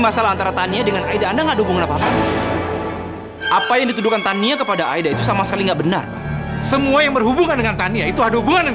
sampai jumpa di video selanjutnya